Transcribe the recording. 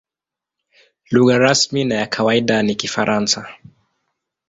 Lugha rasmi na ya kawaida ni Kifaransa.